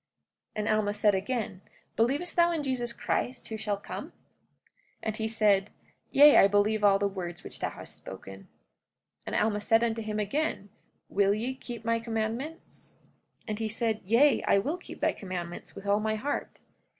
45:4 And Alma said again: Believest thou in Jesus Christ, who shall come? 45:5 And he said: Yea, I believe all the words which thou hast spoken. 45:6 And Alma said unto him again: Will ye keep my commandments? 45:7 And he said: Yea, I will keep thy commandments with all my heart.